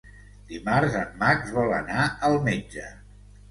Dimarts en Max vol anar al metge.